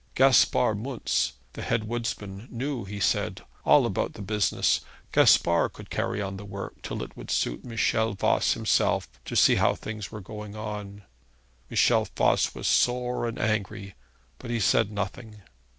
Gaspar Muntz, the head woodsman, knew, he said, all about the business. Gaspar could carry on the work till it would suit Michel Voss himself to see how things were going on. Michel Voss was sore and angry, but he said nothing.